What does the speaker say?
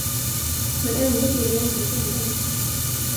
Men ändå blev jag inte tomhänt.